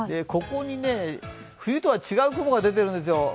ここに冬とは違う雲が出ているんですよ。